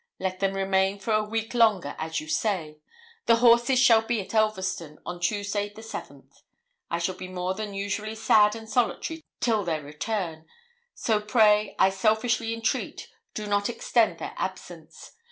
Let them remain for a week longer, as you say. The horses shall be at Elverston on Tuesday, the 7th. I shall be more than usually sad and solitary till their return; so pray, I selfishly entreat, do not extend their absence.